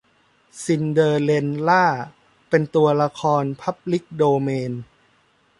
ซินเดอเรลล่า เป็นตัวละครพับลิกโดเมน